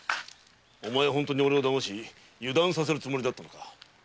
お前は本当に俺を騙し油断させるつもりだったのか？